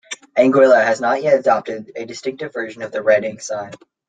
Anguilla has not yet adopted a distinctive version of the Red Ensign.